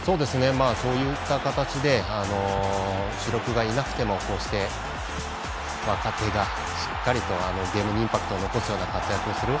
そういった形で主力がいなくてもこうして若手がしっかりとゲームにインパクトを残すような活躍をする。